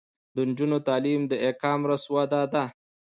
د نجونو تعلیم د ای کامرس وده ده.